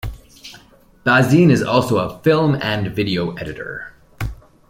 Bazin is also a film and video editor.